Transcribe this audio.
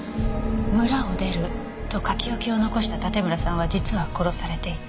「村を出る」と書き置きを残した盾村さんは実は殺されていた。